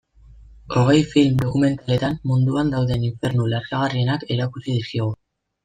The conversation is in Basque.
Hogei film dokumentaletan munduan dauden infernu lazgarrienak erakutsi dizkigu.